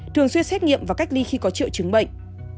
thường xuyên xét nghiệm và cách ly khi có triệu chứng bệnh